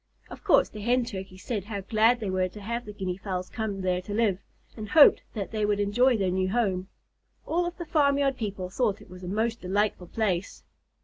Of course the Hen Turkeys said how glad they were to have the Guinea Fowls come there to live, and hoped that they would enjoy their new home. All of the farmyard people thought it a most delightful place.